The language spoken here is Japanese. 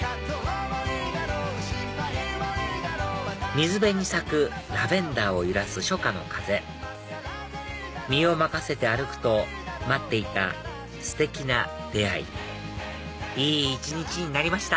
水辺に咲くラベンダーを揺らす初夏の風身を任せて歩くと待っていたステキな出会いいい一日になりました